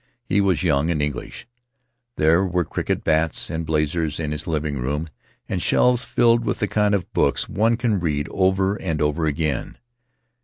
He was young and English; there were cricket bats and blazers in his living room, and shelves rilled with the kind of books one can read over and over again.